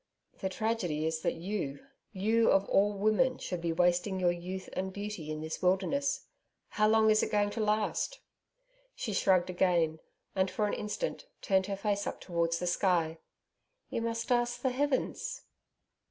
'The tragedy is that you you of all women should be wasting your youth and beauty in this wilderness. How long is it going to last?' She shrugged again, and for an instant turned her face up towards the sky. 'You must ask the heavens?'